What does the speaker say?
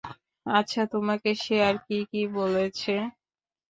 আচ্ছা তোমাকে সে আর কি কি বলেছে?